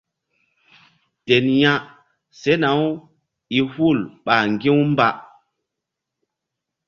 Ten ya sena-u i hul ɓa ŋgi̧-u mba.